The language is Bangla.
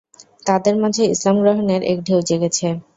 তাদের মাঝে ইসলাম গ্রহণের এক ঢেউ জেগেছে।